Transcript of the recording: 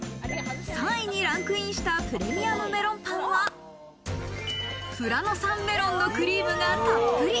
３位にランクインしたプレミアムメロンパンは、富良野産メロンのクリームがたっぷり。